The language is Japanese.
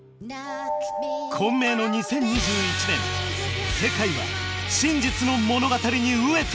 混迷の２０２１年世界は真実の物語に飢えているのか！？